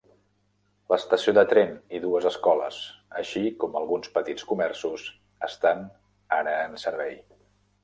L'estació de tren i dues escoles, així com alguns petits comerços, estan ara en servei.